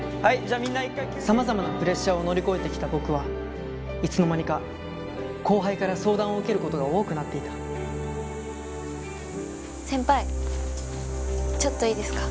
さまざまなプレッシャーを乗り越えてきた僕はいつの間にか後輩から相談を受けることが多くなっていた先輩ちょっといいですか？